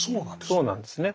そうなんですね。